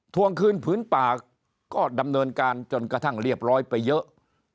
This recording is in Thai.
ทวงคืนผืนป่าก็ดำเนินการจนกระทั่งเรียบร้อยไปเยอะ